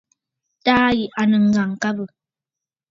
Taà yì à nɨ̂ ŋ̀gàŋkabə̂.